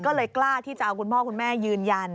ก็เลยกล้าที่จะเอาคุณพ่อคุณแม่ยืนยัน